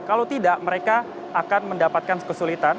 kalau tidak mereka akan mendapatkan kesulitan